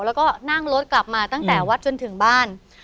แล้วก็นั่งรถกลับมาตั้งแต่วัดจนถึงบ้าน